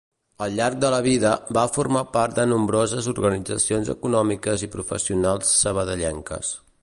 Al llarg de la vida, va formar part de nombroses organitzacions econòmiques i professionals sabadellenques.